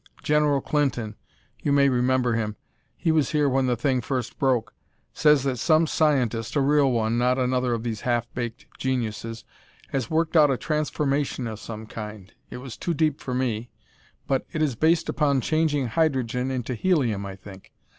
General Clinton you may remember him; he was here when the thing first broke says that some scientist, a real one, not another of these half baked geniuses, has worked out a transformation of some kind. It was too deep for me, but it is based upon changing hydrogen into helium, I think.